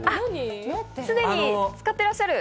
すでに使ってらっしゃる。